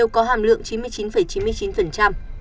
có tổng trọng lượng chín mươi chín chín mươi chín